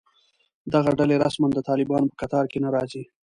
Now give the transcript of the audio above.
دغه ډلې رسماً د طالبانو په کتار کې نه راځي